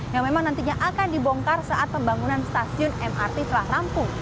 yang memang nantinya akan dibongkar saat pembangunan stasiun mrt telah rampung